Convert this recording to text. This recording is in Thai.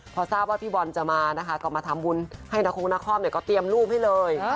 พอทราบว่าพี่บอลจะมานะคะก็มาทำบุญให้นาคงนครก็เตรียมรูปให้เลย